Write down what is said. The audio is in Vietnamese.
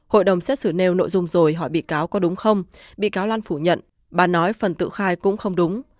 hội đồng xét xử nêu nội dung rồi hỏi bị cáo có đúng không bị cáo lan phủ nhận bà nói phần tự khai cũng không đúng